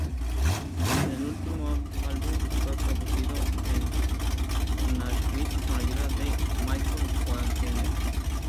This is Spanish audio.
El último álbum fue producido en Nashville con la ayuda de Michael Wagener.